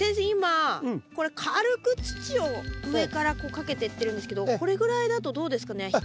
今これ軽く土を上からこうかけてってるんですけどこれぐらいだとどうですかね？